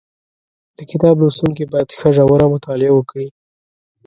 د کتاب لوستونکي باید ښه ژوره مطالعه وکړي